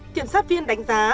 kiểm sát viên đánh giá